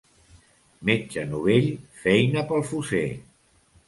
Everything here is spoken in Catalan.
Metge novell, feina pel fosser.